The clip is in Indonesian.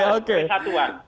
ini solusi satu kota medan